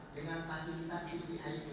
dengan fasilitas ttip